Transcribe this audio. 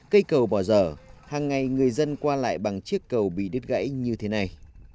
cây cầu bỏ dở hàng ngày người dân qua lại bằng chiếc cầu bị đứt gãy như thế này